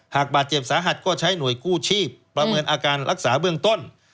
บาดเจ็บสาหัสก็ใช้หน่วยกู้ชีพประเมินอาการรักษาเบื้องต้น